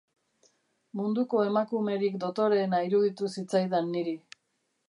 Munduko emakumerik dotoreena iruditu zitzaidan niri.